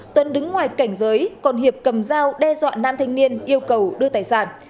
tuân đứng ngoài cảnh giới còn hiệp cầm dao đe dọa nam thanh niên yêu cầu đưa tài sản